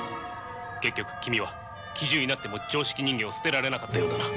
結局君は奇獣になっても常識人間を捨てられなかったようだな。